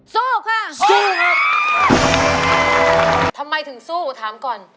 สู้ค่ะ